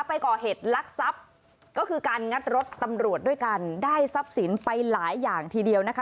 ไปก่อเหตุลักษัพก็คือการงัดรถตำรวจด้วยกันได้ทรัพย์สินไปหลายอย่างทีเดียวนะคะ